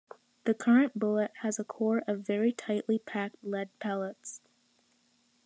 The current bullet has a core of very tightly packed lead pellets.